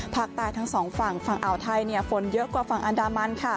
ภาคใต้ทั้งสองฝั่งฝั่งอ่าวไทยฝนเยอะกว่าฝั่งอันดามัน